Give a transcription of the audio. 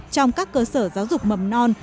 trong các cơ sở giáo dục mầm non